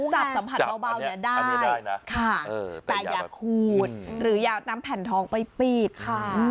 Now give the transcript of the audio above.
จับสัมผัสเบาเนี่ยได้ค่ะแต่อย่าขูดหรืออยากนำแผ่นทองไปปีกค่ะ